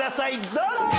どうぞ！